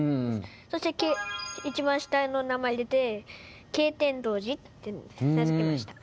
そして、一番下の名前入れて「恵天どうじ」って名付けました。